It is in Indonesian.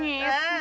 pak sur tau gak